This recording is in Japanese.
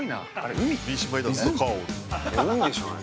湖？◆海でしょ、あれ。